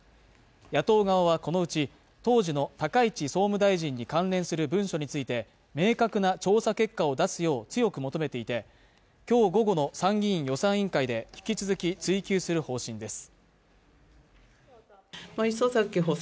野党側はこのうち、当時の高市総務大臣に関連する文書について、明確な調査結果を出すよう強く求めていて、今日午後の参議院予算委員会で、引き続き追及する方針です。